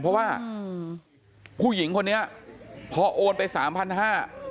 เพราะว่าผู้หญิงคนนี้พอโอนไป๓๕๐๐โทรกลับมาอีก